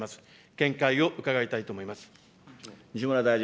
見解を伺いたいと思います。